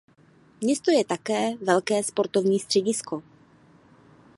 Město je také velké sportovní středisko.